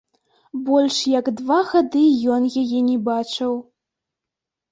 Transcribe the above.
Больш як два гады ён яе не бачыў!